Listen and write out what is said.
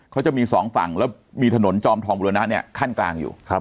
เขาจะมีสองฝั่งแล้วมีถนนจอมทองบุรณะเนี่ยขั้นกลางอยู่